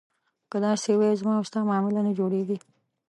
که داسې وي زما او ستا معامله نه جوړېږي.